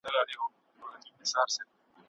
اروپايۍ ښځې يې تقليد کاوه.